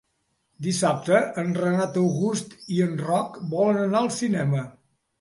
Dissabte en Renat August i en Roc volen anar al cinema.